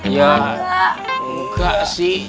ya enggak sih